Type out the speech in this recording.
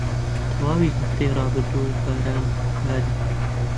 تەواوی هەفتەی ڕابردوو باران باری.